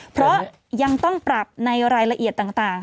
เพราะยังต้องปรับในรายละเอียดต่าง